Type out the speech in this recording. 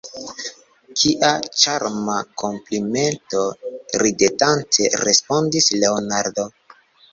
Kia ĉarma komplimento! ridetante respondis Leonardo.